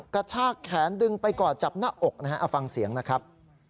กระชากแขนดึงไปก่อนจับหน้าออกฟังเสียงนะครับ